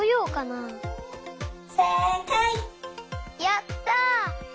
やった！